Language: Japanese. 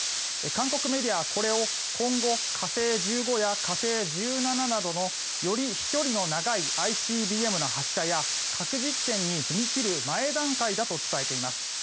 韓国メディアはこれを今後、火星１５や火星１７などのより飛距離の長いＩＣＢＭの発射や核実験に踏み切る前段階だと伝えています。